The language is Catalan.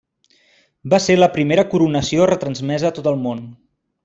Va ser la primera coronació retransmesa a tot el món.